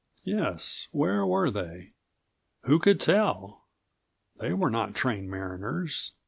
Yes, where were they? Who could tell? They were not trained mariners.